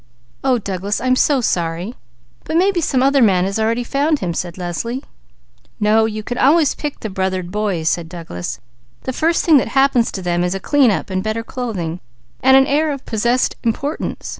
"Oh Douglas! I'm so sorry! But maybe some other man has already found him," said Leslie. "No. You can always pick the brothered boys," said Douglas. "The first thing that happens to them is a clean up and better clothing; then an air of possessed importance.